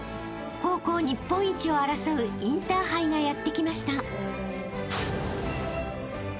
［高校日本一を争うインターハイがやって来ました］